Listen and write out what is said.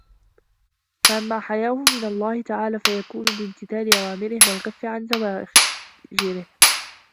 فَأَمَّا حَيَاؤُهُ مِنْ اللَّهِ تَعَالَى فَيَكُونُ بِامْتِثَالِ أَوَامِرِهِ وَالْكَفِّ عَنْ زَوَاجِرِهِ